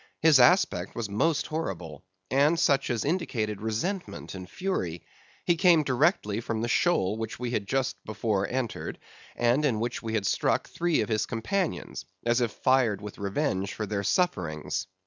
His aspect was most horrible, and such as indicated resentment and fury. He came directly from the shoal which we had just before entered, and in which we had struck three of his companions, as if fired with revenge for their sufferings."